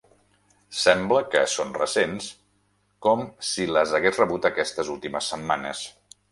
Sembla que són recents, com si les hagués rebut aquestes últimes setmanes.